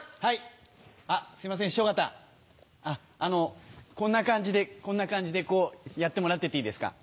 すいません師匠方こんな感じでこんな感じでこうやってもらってていいですか。